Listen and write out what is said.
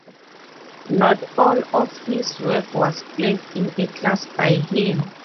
Not all of his work was placed in a class by him.